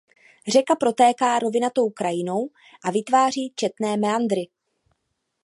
Řeka protéká rovinatou krajinou a vytváří četné meandry.